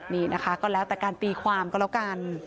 นี่นะคะก็แล้วแต่การตีความก็แล้วกัน